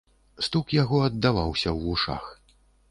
Стук яго аддаваўся ў вушах.